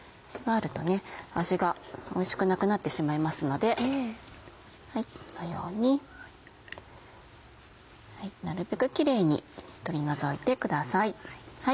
あると味がおいしくなくなってしまいますのでこのようになるべくキレイに取り除いてください。